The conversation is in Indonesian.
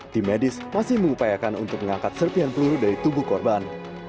tim medis masih mengupayakan untuk mengangkat serpian peluru dari tubuh korban